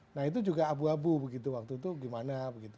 nah itu juga abu abu begitu waktu itu gimana begitu